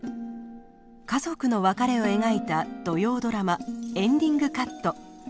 家族の別れを描いた土曜ドラマ「エンディングカット」。